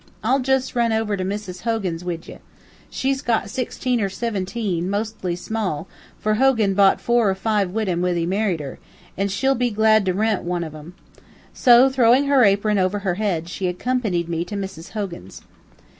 I'll jist run over to Mrs. Hogan's, wid ye. She's got sixteen or siventeen, mostly small, for Hogan brought four or five wid him when he married her, an' she'll be glad to rint wan uv 'em." So, throwing her apron over her head, she accompanied me to Mrs. Hogan's.